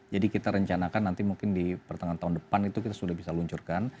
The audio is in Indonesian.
jadi kita rencanakan nanti mungkin di pertengahan tahun depan itu kita sudah bisa luncurkan